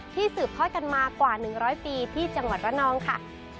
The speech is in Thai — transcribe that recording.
สืบทอดกันมากว่า๑๐๐ปีที่จังหวัดระนองค่ะ